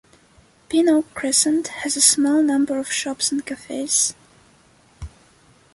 Pin Oak Crescent has a small number of shops and cafes.